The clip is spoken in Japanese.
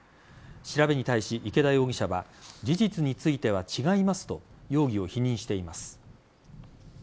調べに対し、池田容疑者は事実については違いますと容疑を否認しています。